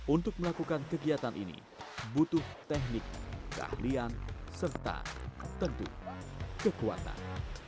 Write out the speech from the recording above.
untuk melakukan kegiatan ini butuh teknik keahlian serta tentu kekuatan